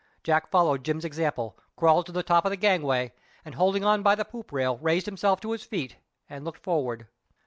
Jack followed Jim's example—crawled to the top of the gangway, and holding on by the poop rail raised himself to his feet and looked forward.